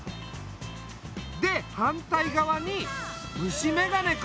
で反対側に虫眼鏡か。